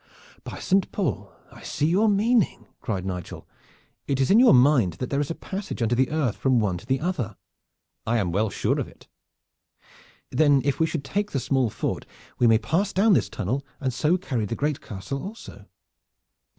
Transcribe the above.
"By Saint Paul! I see your meaning!" cried Nigel. "It is in your mind that there is a passage under the earth from one to the other." "I am well sure of it." "Then if we should take the small fort we may pass down this tunnel, and so carry the great castle also."